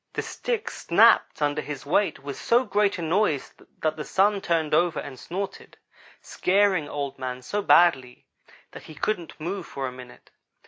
The stick snapped under his weight with so great a noise that the Sun turned over and snorted, scaring Old man so badly that he couldn't move for a minute.